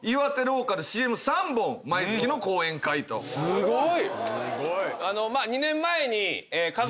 すごい！